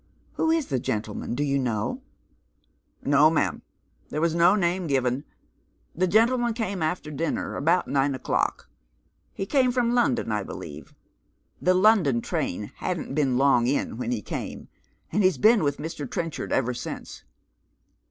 Who is the gentleman ? Do you know ?"" No, ma'am, there was no name given. The gentleman came after dinner, about nine o'clock. He came from London, I believe. The London train hadn't been long in when he came, and he's been with Mr. Trenchard ever since."